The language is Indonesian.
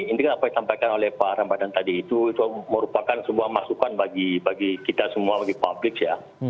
ini kan apa yang disampaikan oleh pak ramadhan tadi itu merupakan sebuah masukan bagi kita semua bagi publik ya